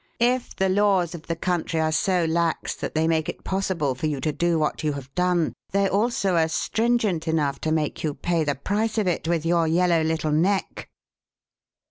If the laws of the country are so lax that they make it possible for you to do what you have done, they also are stringent enough to make you pay the price of it with your yellow little neck!"